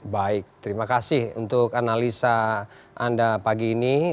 baik terima kasih untuk analisa anda pagi ini